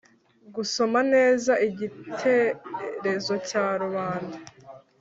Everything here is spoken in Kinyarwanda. Gusoma neza igiterezo cya rubanda